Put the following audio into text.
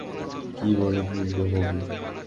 কী বল পূর্ণবাবু!